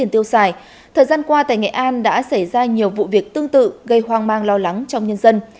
thời gian qua tại nghệ an đã xảy ra nhiều vụ việc tương tự gây hoang mang lo lắng trong nhân dân